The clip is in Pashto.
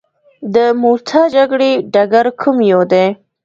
د موته جګړې ډګر کوم یو دی.